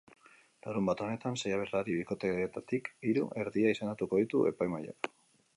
Larunbat honetan sei abeslari bikoteetatik hiru, erdia, izendatuko ditu epaimahaiak.